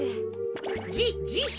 じじしょ！？